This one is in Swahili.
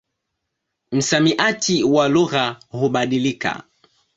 Msamiati wa lugha hubadilika.